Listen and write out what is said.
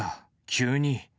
急に。